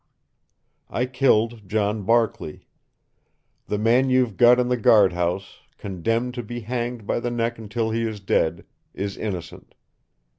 I killed John Barkley. The man you've got in the guard house, condemned to be hanged by the neck until he is dead, is innocent.